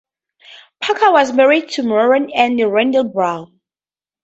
Parker was married to Muriel Anne Randell-Brown.